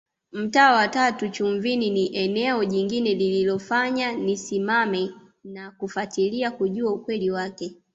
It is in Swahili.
Mtaa wa tatu Chumvini ni eneo jingine lililofanya nisimame na kufatilia kujua ukweli wake